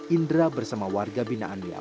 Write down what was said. indra bersama warga bina andia